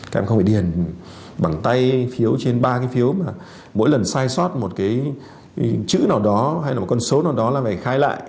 càng không phải điền bằng tay phiếu trên ba cái phiếu mà mỗi lần sai sót một cái chữ nào đó hay là một con số nào đó là phải khai lại